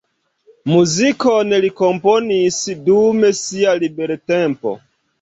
Muzikon li komponis dum sia libertempo.